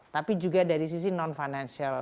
tapi juga dari sisi non financial